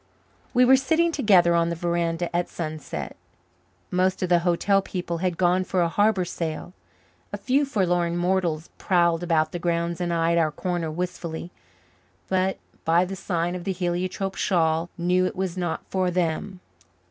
We were sitting together on the veranda at sunset. Most of the hotel people had gone for a harbour sail; a few forlorn mortals prowled about the grounds and eyed our corner wistfully, but by the sign of the heliotrope shawl knew it was not for them.